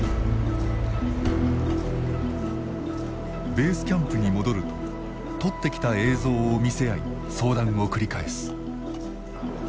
ベースキャンプに戻ると撮ってきた映像を見せ合い相談を繰り返す。